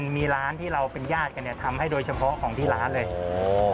มีร้านที่เราเป็นญาติกันเนี่ยทำให้โดยเฉพาะของที่ร้านเลยโอ้